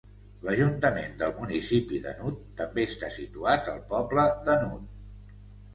L'ajuntament del municipi de Nuth també està situat al poble de Nuth.